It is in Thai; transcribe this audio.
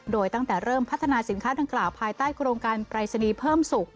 โดยตั้งแต่เริ่มพัฒนาสินค้าดังกล่าวภายใต้โครงการปรายศนีย์เพิ่มสุข